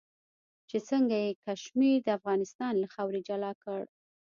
چې څنګه یې کشمیر د افغانستان له خاورې جلا کړ.